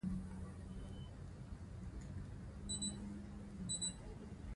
ټټۍ، کېناراب او تشناب کلمې یوه معنا لري.